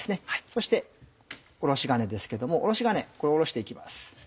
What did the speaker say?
そしておろし金ですけどもおろし金これおろして行きます。